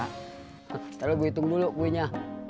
ntar gue hitung dulu kuenya